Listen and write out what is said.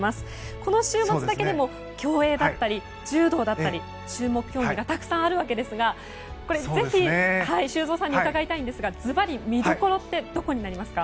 この週末だけでも競泳だったり、柔道だったり注目競技がたくさんあるわけですがぜひ、修造さんに伺いたいんですが、ズバリ見どころってどこになりますか？